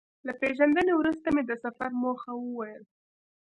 له پېژندنې وروسته مې د سفر موخه وویل.